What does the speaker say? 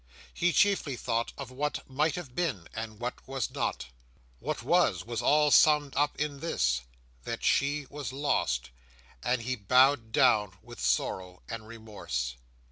He chiefly thought of what might have been, and what was not. What was, was all summed up in this: that she was lost, and he bowed down with sorrow and remorse.